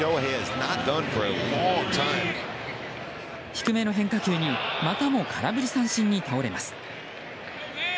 低めの変化球にまたも空振り三振に倒れます。